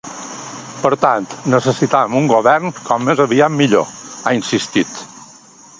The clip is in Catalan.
Per tant necessitem un govern com més aviat millor, ha insistit.